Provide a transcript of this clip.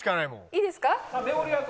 いいですか？